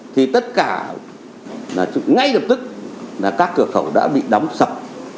thì tất cả ngay lập tức là các cửa khẩu đã bị đóng sập